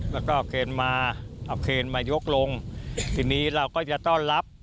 แล้วก็เอาเคนมาเอาเคนมายกลงทีนี้เราก็จะต้อนรับ